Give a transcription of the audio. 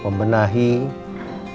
tepat di sekianter